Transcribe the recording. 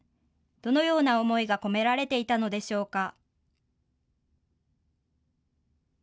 どのような思いが込められていたのでしょうか。